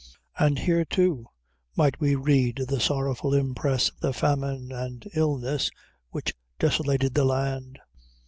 And here too, might we read the sorrowful impress of the famine and illness which desolated the land.